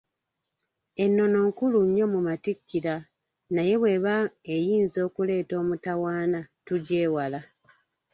Ennono nkulu nnyo mu Matikkira naye bw'eba eyinza okuleeta omutawaana, tugyewala.